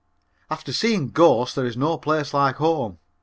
After seeing Ghosts there is no place like home.